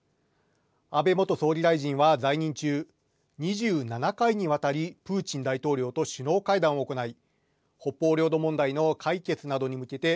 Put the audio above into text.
安倍元総理大臣は、在任中２７回にわたりプーチン大統領と首脳会談を行い北方領土問題の解決などに向けて